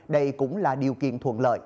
đây cũng là điều kiện thuận lợi